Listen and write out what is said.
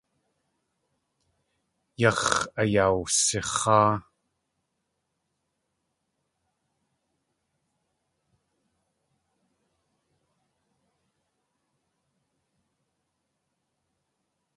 Yax̲ ayawsix̲áa.